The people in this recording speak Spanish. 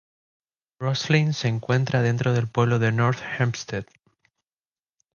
Roslyn se encuentra dentro del pueblo de North Hempstead.